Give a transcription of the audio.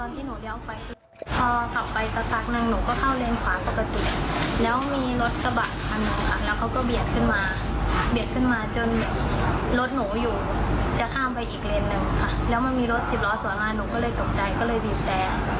ที่ได้ยินนะคะเพราะว่าเขาตะโกนมาเสียงดำ